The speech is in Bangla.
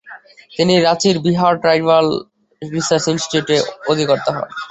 তিনি রাঁচির 'বিহার ট্রাইবাল রিসার্চ ইনস্টিটিউট'-এ অধিকর্তা হন।